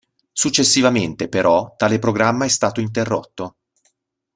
Successivamente, però, tale programma è stato interrotto.